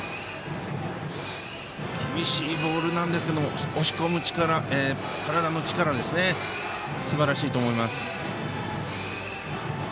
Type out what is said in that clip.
厳しいボールなんですが押し込む力、体の力がすばらしいと思います。